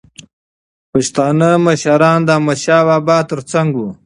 پښتانه مشران تل د احمدشاه بابا تر څنګ وو.